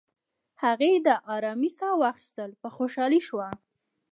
هغې د آرامی ساه واخیستل، په خوشحالۍ شوه.